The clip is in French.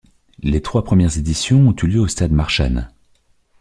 Les trois premières éditions ont eu lieu au stade Marshan.